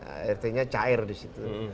akhirnya cair disitu